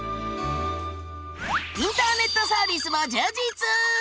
インターネットサービスも充実！